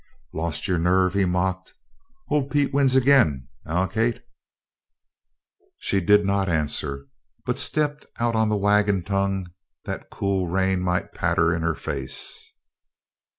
"Lost your nerve?" he mocked. "Old Pete wins again, eh, Kate?" She did not answer but stepped out on the wagon tongue that the cool rain might patter in her face.